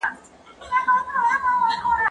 ايا ته موسيقي اورې،